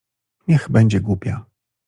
— Niech będzie głupia.